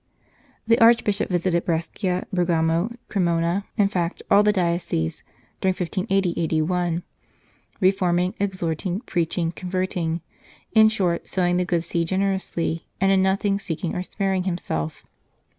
The Archbishop visited Brescia, Bergamo, Cre monain fact, all the dioceses during 1580 81, reforming, exhorting, preaching, converting ; in short, sowing the good seed generously, and in nothing seeking or sparing himself.